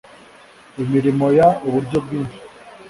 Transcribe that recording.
Imirimo y uburyo bwinshi